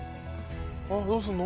あっどうするの？